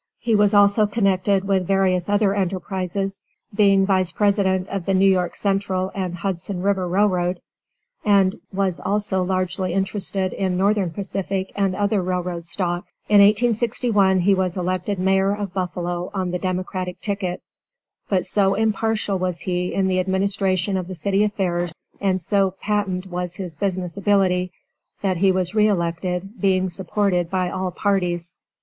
He was also connected with various other enterprises, being Vice President of the New York Central & Hudson River railroad, and was also largely interested in Northern Pacific and other railroad stock. In 1861 he was elected Mayor of Buffalo on the Democratic ticket, but so impartial was he in the administration of the city affairs, and so patent was his business ability, that he was re elected, being supported by all parties.